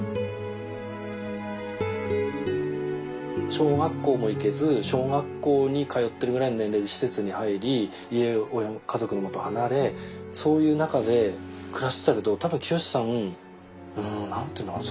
小学校も行けず小学校に通ってるぐらいの年齢で施設に入り家族の元を離れそういう中で暮らしてたけど多分季良さん何て言うのかな